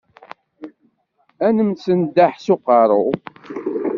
Ad nemsenḍaḥ s uqerru.